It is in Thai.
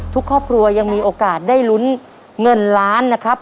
ทุกครอบครัวยังมีโอกาสได้ลุ้นเงินล้านนะครับ